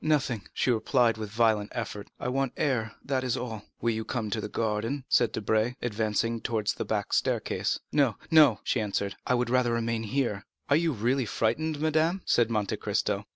"Nothing," she replied with a violent effort. "I want air, that is all." "Will you come into the garden?" said Debray, advancing towards the back staircase. "No, no," she answered, "I would rather remain here." "Are you really frightened, madame?" said Monte Cristo.